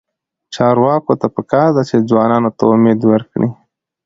چارواکو ته پکار ده چې، ځوانانو ته امید ورکړي.